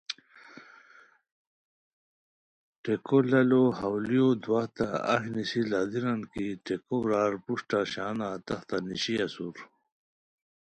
ٹیکھو لالو حولیو دواحتہ ایہہ نیسی لاڑیران کی ٹیکھو برار پروشٹہ شانہ تختہ نیشی اسور